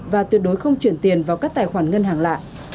và tuyệt đối không chuyển tiền vào các tài khoản ngân hàng lạ